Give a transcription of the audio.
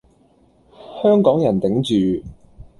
香港人頂住